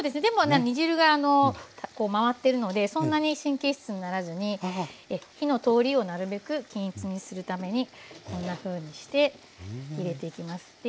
でも煮汁が回ってるのでそんなに神経質にならずに火の通りをなるべく均一にするためにこんなふうにして入れていきます。